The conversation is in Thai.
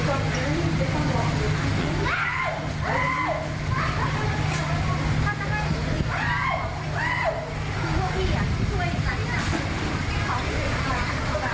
โอ้โห